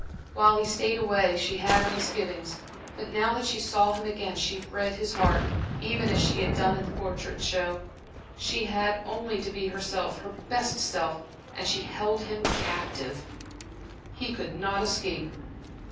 While he stayed away she had her misgivings, but now that she saw him again, she read his heart, even as she had done at the Portrait Show. She had only to be herself, her best self, and she held him captive, he could not escape.